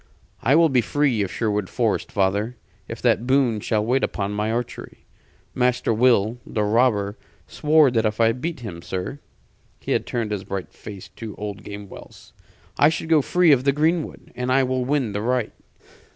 "I will be free of Sherwood Forest, father, if that boon shall wait upon my archery. Master Will, the robber, swore that if I beat him, sir" he had turned his bright face to old Gamewell's "I should go free of the greenwood. And I will win the right."